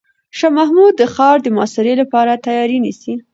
شاه محمود د ښار د محاصرې لپاره تیاری نیسي.